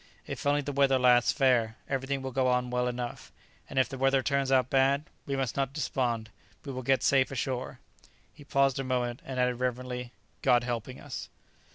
If only the weather lasts fair, everything will go on well enough; and if the weather turns out bad, we must not despond; we will get safe ashore." He paused a moment and added reverently, "God helping us."